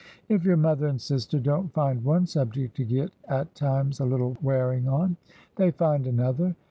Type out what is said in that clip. If your mother and sister don't find one subject to get at times a little wearing on, they find another.